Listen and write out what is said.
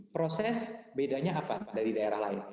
proses bedanya apa dari daerah lain